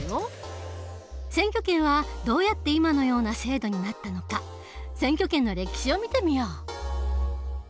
選挙権はどうやって今のような制度になったのか選挙権の歴史を見てみよう。